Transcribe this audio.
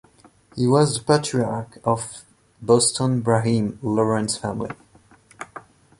He was the patriarch of "Boston Brahmin" Lawrence family.